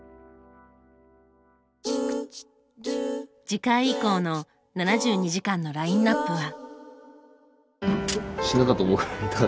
次回以降の「７２時間」のラインナップは。